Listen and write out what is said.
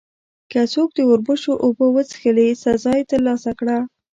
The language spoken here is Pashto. که څوک د اوربشو اوبه وڅښلې، سزا یې ترلاسه کړه.